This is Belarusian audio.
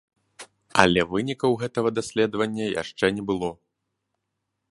Але вынікаў гэтага даследавання яшчэ не было.